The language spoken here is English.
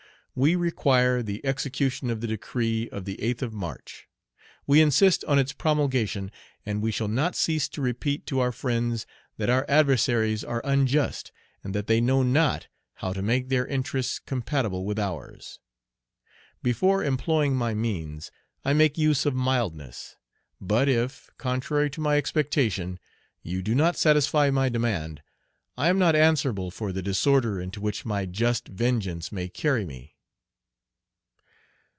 We require the execution of the decree of the 8th of March. We insist on its promulgation, and we shall not cease to repeat to our friends that our adversaries are unjust, and that they know not how to make their interests compatible with ours. Before employing my means, I make use of mildness; but if, contrary to my expectation, you do not satisfy my demand, I am not answerable for the disorder into which my just vengeance may carry me."